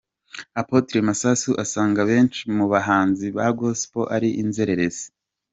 Apotre Masasu asanga benshi mu bahanzi ba Gospel ari inzererezi.